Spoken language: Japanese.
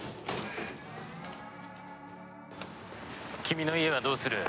君の家はどうする？